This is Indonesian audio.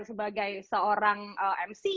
sebagai seorang mc